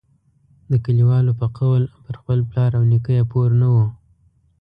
د کلیوالو په قول پر پلار او نیکه یې پور نه وو.